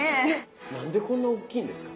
何でこんなおっきいんですか？